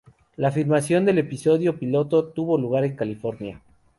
La filmación del episodio piloto tuvo lugar en California.